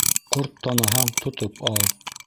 Ҡорт таныһаң, тотоп ал: